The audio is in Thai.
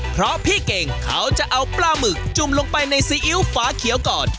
เพราะพี่เก่งเขาจะเอาปลาหมึกจุ่มลงไปในซีอิ๊วฝาเขียวก่อน